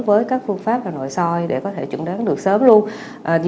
với các phương pháp nội soi để có thể chuẩn đoán được sớm luôn